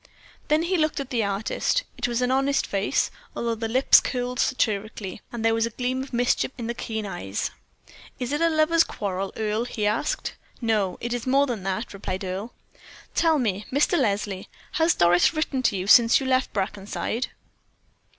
Then he looked at the artist. It was an honest face, although the lips curled satirically, and there was a gleam of mischief in the keen eyes. "Is it a lover's quarrel, Earle?" he asked. "No, it is more than that," replied Earle. "Tell me, Mr. Leslie, has Doris written to you since you left Brackenside?"